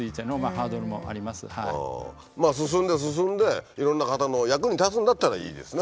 進んで進んでいろんな方の役に立つんだったらいいですね